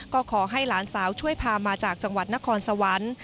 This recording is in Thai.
ก็ขอให้หลานสาวช่วยพามาจากจังหวัดนครสวรรค์